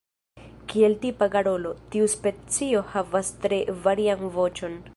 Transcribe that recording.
Kiel tipa garolo, tiu specio havas tre varian voĉon.